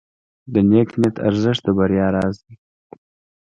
د نیک نیت ارزښت د بریا راز دی.